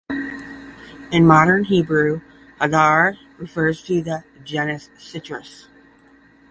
In modern Hebrew, "hadar" refers to the genus "Citrus".